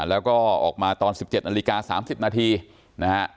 แล้วก็ออกมาตอน๑๗น๓๐นนะฮะ